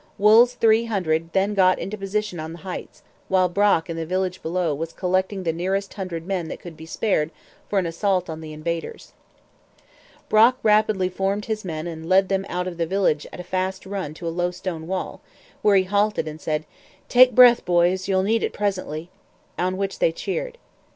Wool's three hundred then got into position on the Heights; while Brock in the village below was collecting the nearest hundred men that could be spared for an assault on the invaders. Brock rapidly formed his men and led them out of the village at a fast run to a low stone wall, where he halted and said, 'Take breath, boys; you'll need it presently!' on which they cheered.